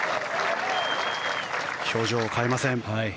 表情を変えません。